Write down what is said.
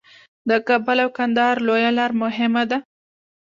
د کابل او کندهار لویه لار مهمه ده